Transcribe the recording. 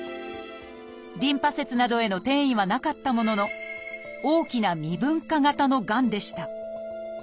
リンパ節などへの転移はなかったものの大きな未分化型のがんでした。